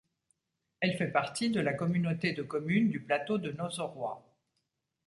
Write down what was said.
Elle fait partie de la Communauté de communes du Plateau de Nozeroy.